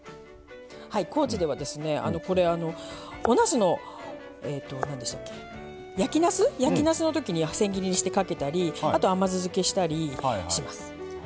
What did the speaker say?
高知では焼きなすのときに千切りにしてかけたりあと甘酢漬けしたりします。